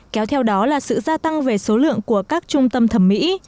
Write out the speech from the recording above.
kéo theo đó là sự gia tăng về số lượng của các trung tâm thẩm mỹ